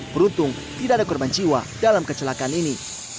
beruntung tidak ada korban jiwa dalam kecelakaan ini